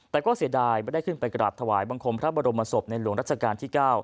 แต่ก็เสียดายไม่ได้ขึ้นไปกราบถวายบังคมพระบรมศพในหลวงรัชกาลที่๙